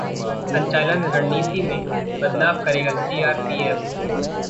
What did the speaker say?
संचालन रणनीति में बदलाव करेगा सीआरपीएफ